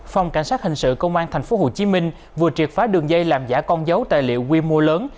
phòng cảnh sát hình sự công an tp hcm vừa triệt phá đường dây làm giả con dấu tài liệu quy mô lớn